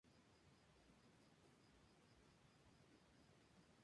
Estuvo casado con Teresa López, que le sobrevivió.